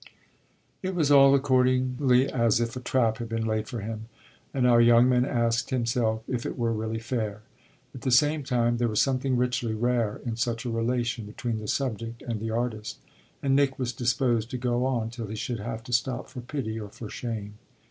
It was all accordingly as if a trap had been laid for him, and our young man asked himself if it were really fair. At the same time there was something richly rare in such a relation between the subject and the artist, and Nick was disposed to go on till he should have to stop for pity or for shame.